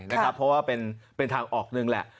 เพราะว่าเป็นทางออกหนึ่งแหละ